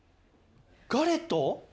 ガレット？